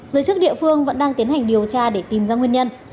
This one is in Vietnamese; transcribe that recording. giới chức địa phương vẫn đang tiến hành điều tra để tìm ra nguyên nhân